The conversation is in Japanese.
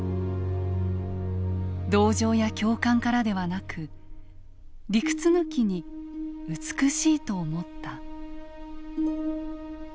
同情や共感からではなく理屈抜きに美しいと思った」。